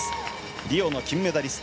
リオの金メダリスト。